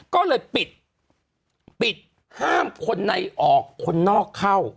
ก็เลยปิดปิดห้ามคนในออกคนนอกเข้า